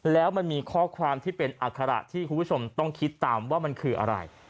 แล้วมันมีข้อความที่เป็นอัคระที่คุณผู้ชมต้องคิดตามว่ามันคืออะไร